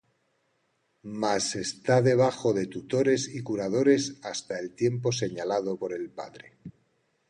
Mas está debajo de tutores y curadores hasta el tiempo señalado por el padre.